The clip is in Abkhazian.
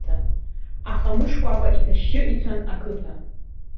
Ахамы шкәакәа иҭашьшьы ицәан ақыҭа.